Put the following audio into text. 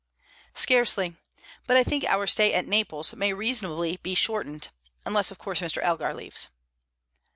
"Scarcely. But I think our stay at Naples may reasonably be shortened unless, of course, Mr. Elgar leaves."